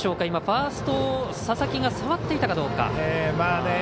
今、ファースト佐々木が触っていたかどうか。